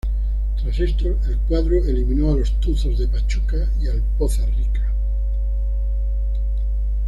Tras esto, el cuadro eliminó a los Tuzos de Pachuca y al Poza Rica.